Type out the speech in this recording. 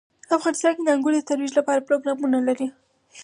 افغانستان د انګور د ترویج لپاره پروګرامونه لري.